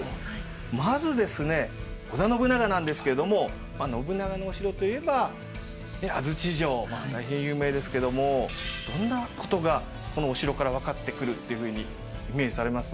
まずですね織田信長なんですけれども信長のお城といえば安土城大変有名ですけどもどんなことがこのお城から分かってくるっていうふうにイメージされます？